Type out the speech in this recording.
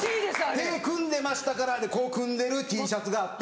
「手組んでましたから」で組んでるＴシャツがあって。